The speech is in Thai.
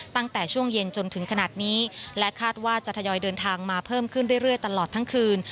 ตั้งแต่ช่วงเย็นจนถึงขนาดนี้และคาดว่าจะทยอยเดินทางมาเพิ่มขึ้นเรื่อยตลอดทั้งคืน